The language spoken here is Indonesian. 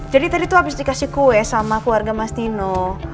jadi tadi tuh abis dikasih kue sama keluarga mas nino